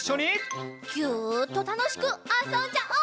ギュッとたのしくあそんじゃおう。